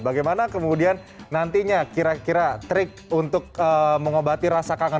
bagaimana kemudian nantinya kira kira trik untuk mengobati rasa kangen